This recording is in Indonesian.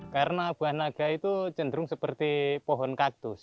karena buah naga itu cenderung seperti pohon kaktus